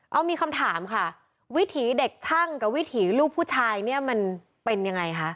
เอามีคำถามค่ะวิถีเด็กช่างกับวิถีลูกผู้ชายเนี่ยมันเป็นยังไงคะ